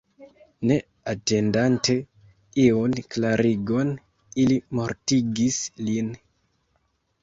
Ne atendante iun klarigon ili mortigis lin.